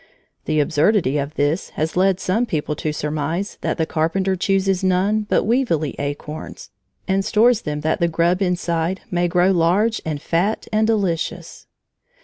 The absurdity of this has led some people to surmise that the Carpenter chooses none but weevilly acorns, and stores them that the grub inside may grow large and fat and delicious.